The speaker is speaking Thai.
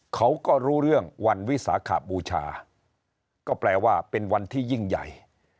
เขาก็รู้เรื่องวันวิสาขบูชาก็แปลว่าเป็นวันที่ยิ่งใหญ่